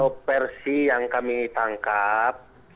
operasi yang kami tangkap